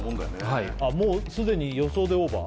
はいもうすでに予想でオーバー？